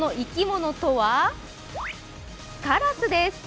その生き物とは、からすです。